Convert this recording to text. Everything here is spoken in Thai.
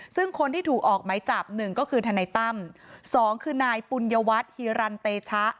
ซึ่งคนที่ถูกออกหมายจับ๑ก็คือธนัยตั้ม๒คือนายปุญวัติฮิรันต์เตชะ